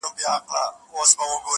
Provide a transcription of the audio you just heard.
د هر غم په ښهرگو کي آهتزاز دی